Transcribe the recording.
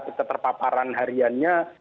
tiga terpaparan hariannya